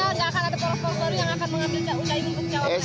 atau tidak akan ada polos polosori yang akan mengambil jawabannya